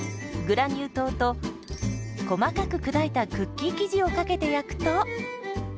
グラニュー糖と細かく砕いたクッキー生地をかけて焼くと。